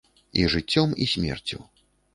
І жыццём, і смерцю.